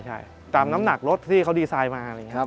ใช่ตามน้ำหนักรถที่เขาดีไซน์มา